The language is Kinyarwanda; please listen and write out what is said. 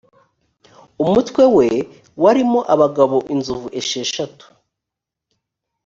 umutwe we warimo abagabo inzovu esheshatu